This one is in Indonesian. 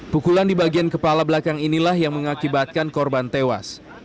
pukulan di bagian kepala belakang inilah yang mengakibatkan korban tewas